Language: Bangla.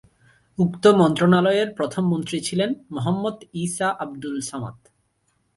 উক্ত মন্ত্রণালয়ের প্রথম মন্ত্রী ছিলেন "মোহাম্মদ ঈসা আবদুল সামাদ"।